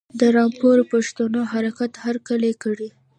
د رامپور پښتنو حرکت هرکلی کړی.